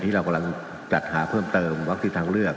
เรากำลังจัดหาเพิ่มเติมวัคซีนทางเลือก